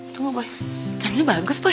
tunggu boy jamnya bagus boy